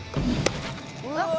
うわっ！